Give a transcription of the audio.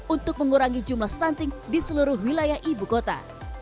untuk mengurangi jumlah stunting di seluruh wilayah ibukota